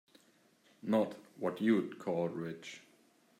Not what you'd call rich.